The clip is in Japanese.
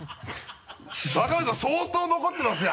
若林さん相当残ってますよ